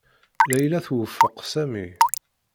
Layla twufeq Sami.